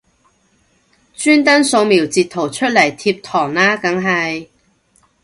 專登掃瞄截圖出嚟貼堂啦梗係